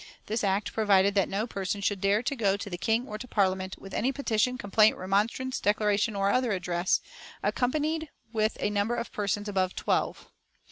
This Act provided that no person should dare to go to the King or to Parliament "with any petition, complaint, remonstrance, declaration or other address" accompanied with a number of persons above twelve.